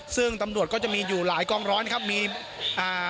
ซึ่งตำรวจก็จะมีอยู่หลายกองร้อยครับมีอ่า